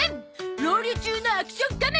「ロウリュ中のアクション仮面」。